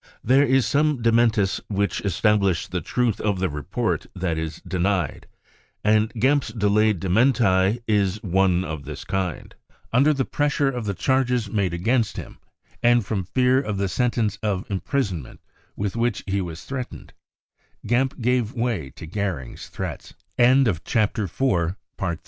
There are some dementis which establish the truth of the report that is denied , and Gempp's delayed dementi is one of this kind. Under the pressure of the charges made against him, and from fear of the sentence of imprisonment with which he was threatened, Gernpp gave way to Gocring's threat